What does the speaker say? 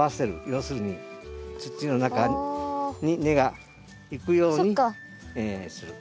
要するに土の中に根が行くようにする。